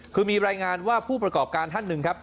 คือมีรายงานว่าผู้ประกอบการท่านหนึ่งครับ